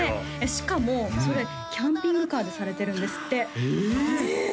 しかもそれキャンピングカーでされてるんですってええ！